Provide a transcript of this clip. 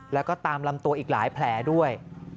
แล้วก็ตามลำตัวอีกหลายแผลด้วย